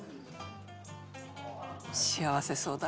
「幸せそうだ」